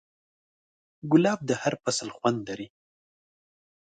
ګلاب د هر فصل خوند لري.